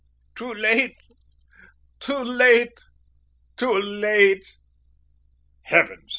Too late, too late, too late." "Heavens!"